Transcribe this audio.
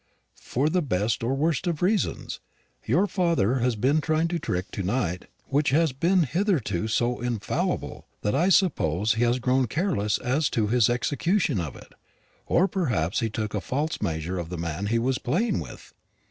"For the best or worst of reasons. Your father has been trying a trick to night which has been hitherto so infallible, that I suppose he had grown careless as to his execution of it. Or perhaps he took a false measure of the man he was playing with.